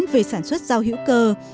về sản xuất rau hữu cơ